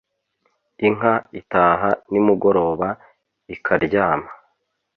inka itaha nimugoroba ikaryama